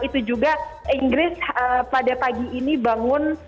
itu juga inggris pada pagi ini bangun